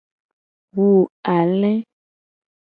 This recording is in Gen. Wu ale.